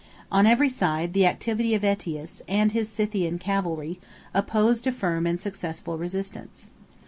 On every side, the activity of Ætius, and his Scythian cavalry, opposed a firm and successful resistance.